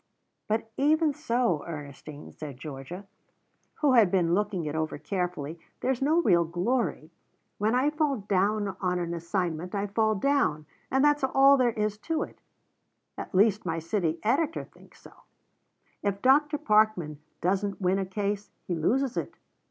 "But even so, Ernestine," said Georgia, who had been looking it over carefully, "there's no real glory. When I fall down on an assignment, I fall down, and that's all there is to it at least my city editor thinks so. If Dr. Parkman doesn't win a case, he loses it.